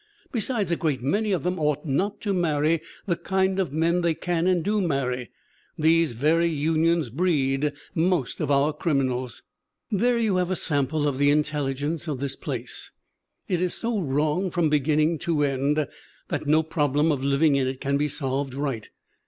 Besides a great many of them ought not to marry the kind of men they can and do marry. These very unions breed most of our criminals/ 160 THE WOMEN WHO MAKE OUR NOVELS "There you have a sample of the intelligence of this place. It is so wrong from beginning to end that no problem of living in it can be solved right.